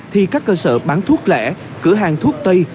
thì các cơ sở bán thuốc lẻ cửa hàng thuốc tây